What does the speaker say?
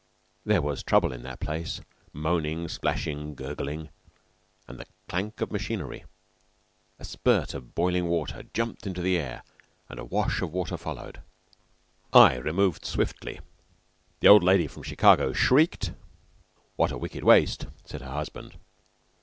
There was trouble in that place moaning, splashing, gurgling, and the clank of machinery. A spurt of boiling water jumped into the air, and a wash of water followed. I removed swiftly. The old lady from Chicago shrieked. "What a wicked waste!" said her husband.